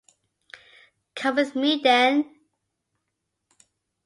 Come with me, then.